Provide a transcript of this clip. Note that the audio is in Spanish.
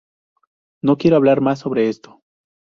No quiero hablar más sobre esto.